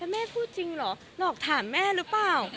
แม่พูดจริงเหรอหลอกถามแม่หรือเปล่า